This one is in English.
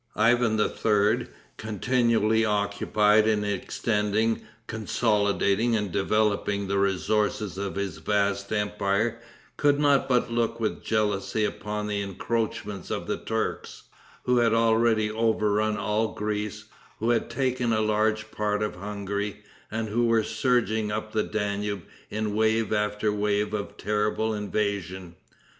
Ivan III., continually occupied in extending, consolidating and developing the resources of his vast empire, could not but look with jealousy upon the encroachments of the Turks, who had already overrun all Greece, who had taken a large part of Hungary, and who were surging up the Danube in wave after wave of terrible invasion.